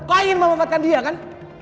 kau ingin memanfaatkan dia kan